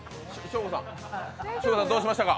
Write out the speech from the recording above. ショーゴさん、どうしましたか？